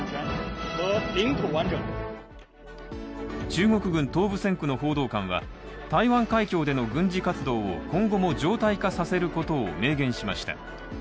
中国軍東部戦区の報道官は台湾海峡での軍事活動を今後も常態化させることを明言しました。